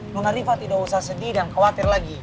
nona riva tidak usah sedih dan khawatir lagi